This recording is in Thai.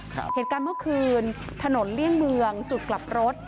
เหตุการณ์เมื่อคืนถนนเลี่ยงเมืองจุดกลับรถ